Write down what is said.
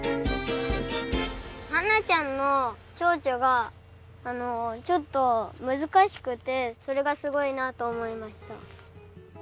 ハンナちゃんのチョウチョがちょっとむずかしくてそれがすごいなとおもいました。